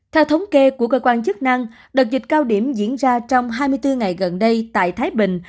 theo thống kê của cơ quan chức năng đợt dịch cao điểm diễn ra trong hai mươi bốn ngày gần đây tại thái bình